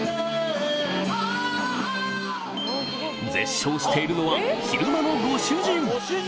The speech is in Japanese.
絶唱しているのは昼間のご主人